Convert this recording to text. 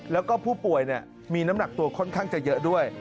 แล้วก็ผู้ป่วยมีน้ำหนักตัวค่อนข้างจะเยอะด้วย